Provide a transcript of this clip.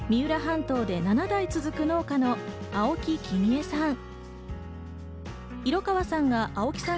三浦半島で７代続く農家の青木紀美江さん。